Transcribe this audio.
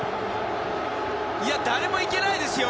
誰も行けないですよ。